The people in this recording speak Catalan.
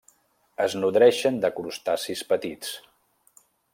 Es nodreixen de crustacis petits.